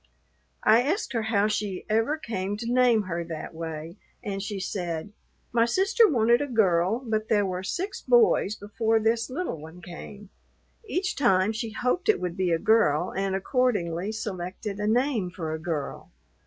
I asked her how she ever came to name her that way, and she said, "My sister wanted a girl, but there were six boys before this little one came. Each time she hoped it would be a girl, and accordingly selected a name for a girl.